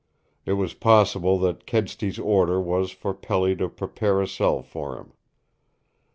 It was possible that Kedsty's order was for Pelly to prepare a cell for him.